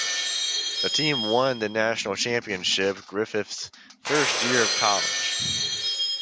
The team won the national championship Griffith's first year of college.